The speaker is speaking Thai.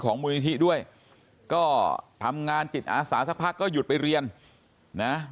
ก็ทำงานจิตอาสาสักพักก็หยุดไปเรียน